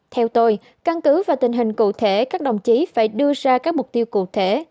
theo tôi căn cứ và tình hình cụ thể các đồng chí phải đưa ra các mục tiêu cụ thể